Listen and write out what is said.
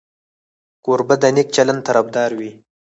کوربه د نیک چلند طرفدار وي.